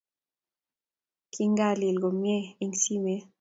King'alali komyee eng simet